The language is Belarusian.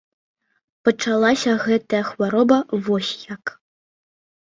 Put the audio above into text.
Пачалася гэтая хвароба вось як.